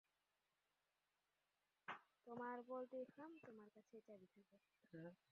তোমার poultry farm, তোমার কাছে চাবি থাকে।